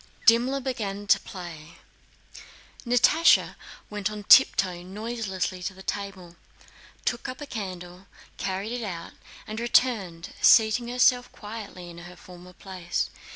Dimmler began to play; Natásha went on tiptoe noiselessly to the table, took up a candle, carried it out, and returned, seating herself quietly in her former place.